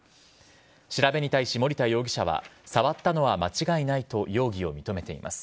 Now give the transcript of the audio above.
調べに対し森田容疑者は触ったのは間違いないと容疑を認めています。